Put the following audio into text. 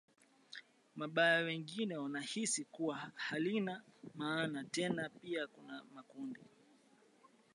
mabaya wengine wanahisi kuwa halina maana tena Pia kuna makundi